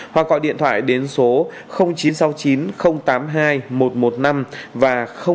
hoặc gọi điện thoại đến số chín trăm sáu mươi chín tám mươi hai một trăm một mươi năm và chín trăm bốn mươi chín ba trăm chín mươi sáu một trăm một mươi năm